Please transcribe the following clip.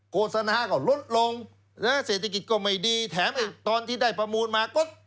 โฆษณาก็ลดลงเศรษฐกิจก็ไม่ดีแถมตอนที่ได้ประมูลมาก็